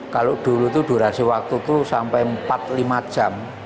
kalau dulu itu durasi waktu itu sampai empat lima jam